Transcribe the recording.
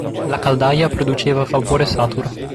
La caldaia produceva vapore saturo.